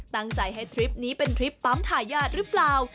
ตั้งใจให้ทริปนี้เป็นทริปปั๊มทายาทหรือเปล่า